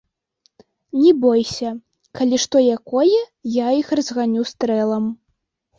Не бойся, калі што якое, я іх разганю стрэлам.